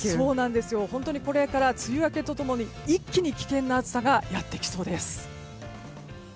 本当にこれから梅雨明けと共に一気に危険な暑さがやってきそうです。